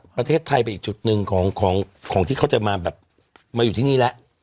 ประเทศไทยเป็นอีกจุดนึงของที่เขาจะมาอยู่ที่นี่ละ